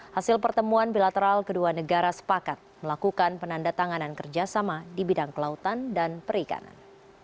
hasil pertemuan bilateral kedua negara sepakat melakukan penanda tanganan kerjasama di bidang kelautan dan perikanan